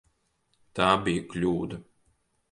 Tā bija kļūda.